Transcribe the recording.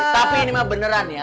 tapi ini mah beneran ya